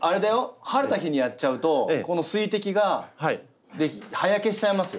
晴れた日にやっちゃうとこの水滴で葉焼けしちゃいますよ。